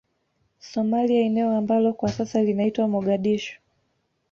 Somalia eneo ambalo kwa sasa linaitwa Mogadishu